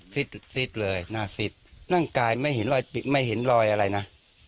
ฟิสฟิสเลยน่าฟิสนั่งกายไม่เห็นรอยไม่เห็นรอยอะไรนะ